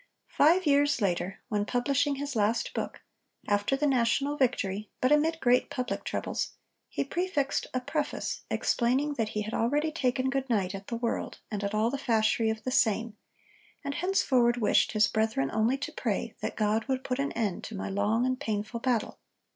Five years later, when publishing his last book, after the national victory but amid great public troubles, he prefixed a preface explaining that he had already 'taken good night at the world and at all the fasherie of the same,' and henceforward wished his brethren only to pray that God would 'put an end to my long and painful battle.'